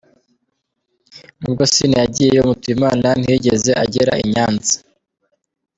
Nubwo Sina yagiyeyo, Mutuyimana ntiyigeze agera i Nyanza.